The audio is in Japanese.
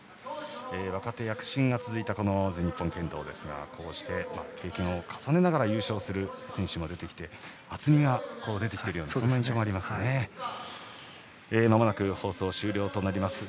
若手躍進が続いた全日本剣道ですがこうして経験を重ねながら優勝する選手も出てきて厚みが出てきている印象もありますね。